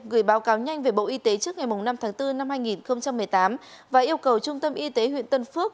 gửi báo cáo nhanh về bộ y tế trước ngày năm tháng bốn năm hai nghìn một mươi tám và yêu cầu trung tâm y tế huyện tân phước